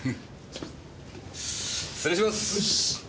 失礼します。